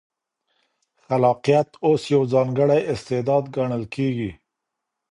خلاقیت اوس یو ځانګړی استعداد ګڼل کېږي.